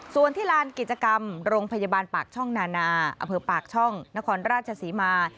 ส่วนที่ลานกิจกรรมโรงพยาบาลปากช่องนานาอำเภอปากช่องนครราชศรีมา